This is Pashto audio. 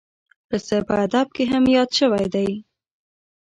پسه په ادب کې هم یاد شوی دی.